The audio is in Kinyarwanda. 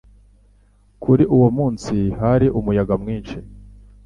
Kuri uwo munsi hari umuyaga mwinshi.